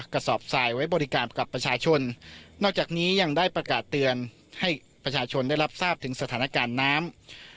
กระสอบทรายไว้บริการกับประชาชนนอกจากนี้ยังได้ประกาศเตือนให้ประชาชนได้รับทราบถึงสถานการณ์น้ำ